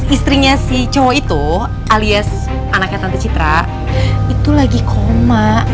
istrinya si cowok itu alias anaknya tante citra itu lagi koma